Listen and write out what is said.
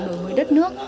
mười mươi đất nước